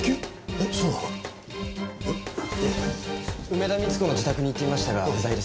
梅田三津子の自宅に行ってみましたが不在です。